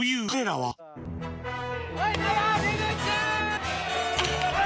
はい。